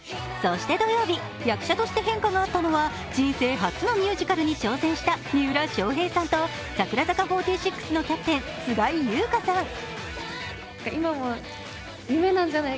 そして土曜日、役者として変化があったのは人生初のミュージカルに挑戦した三浦翔平さんと櫻坂４６のキャプテン・菅井友香さん。